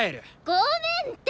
ごめんって！